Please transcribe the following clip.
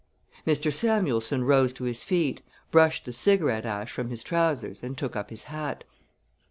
Mr. Samuelson rose to his feet, brushed the cigarette ash from his trousers and took up his hat.